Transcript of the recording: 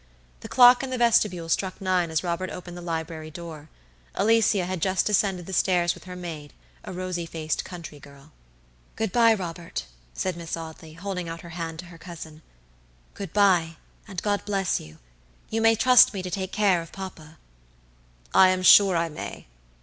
The clock in the vestibule struck nine as Robert opened the library door. Alicia had just descended the stairs with her maid; a rosy faced country girl. "Good by, Robert," said Miss Audley, holding out her hand to her cousin; "good by, and God bless you! You may trust me to take care of papa." "I am sure I may.